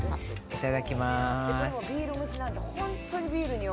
いただきます。